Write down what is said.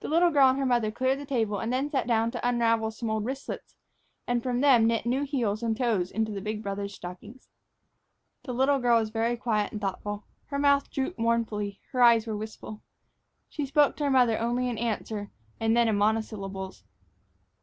The little girl and her mother cleared the table and then sat down to unravel some old wristlets and from them knit new heels and toes into the big brothers' stockings. The little girl was very quiet and thoughtful. Her mouth drooped mournfully, her eyes were wistful. She spoke to her mother only in answer, and then in monosyllables.